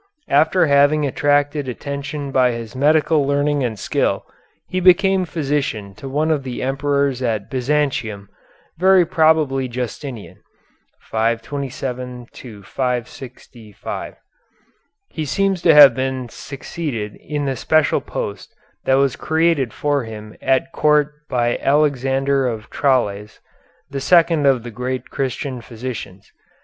After having attracted attention by his medical learning and skill, he became physician to one of the emperors at Byzantium, very probably Justinian, (527 565). He seems to have been succeeded in the special post that was created for him at court by Alexander of Tralles, the second of the great Christian physicians.